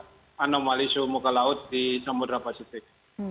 untuk anomali suhu muka laut di samudera pasifik